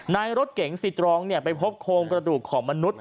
ในรถเก๋งสีตรองไปพบโครงกระดูกของมนุษย